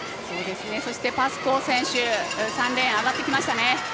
そしてパスコー選手上がってきましたね。